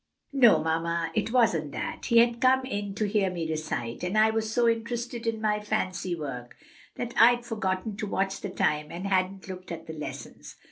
"No, mamma, it wasn't that; he had come in to hear me recite, and I was so interested in my fancy work that I'd forgotten to watch the time and hadn't looked at the lessons.